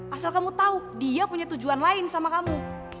asal kamu tahu dia punya tujuan lain sama kamu